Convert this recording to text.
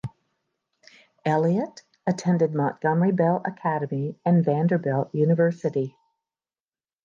Elliott attended Montgomery Bell Academy and Vanderbilt University.